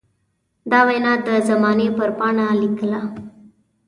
دا وينا د زمانې پر پاڼه ليکله.